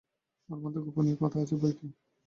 ওর মধ্যে গোপনীয় কথা আছে বৈকি।